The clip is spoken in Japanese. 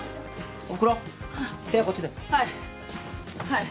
はい。